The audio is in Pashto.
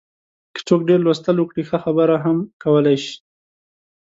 که څوک ډېر لوستل وکړي، ښه خبرې هم کولای شي.